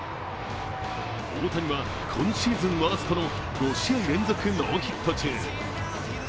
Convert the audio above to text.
大谷は今シーズンワーストの５試合連続ノーヒット中。